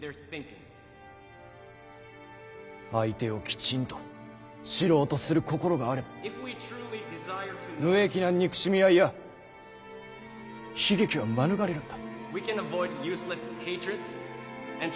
相手をきちんと知ろうとする心があれば無益な憎しみ合いや悲劇は免れるんだ。